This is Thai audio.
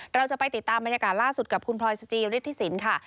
เราจะไปติดตามบรรยากาศล่าสุดกับคุณพลอยสจิฤทธิสินค่ะ